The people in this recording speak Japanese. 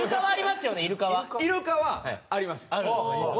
イルカはありますよね